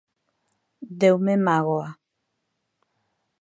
Deume mágoa.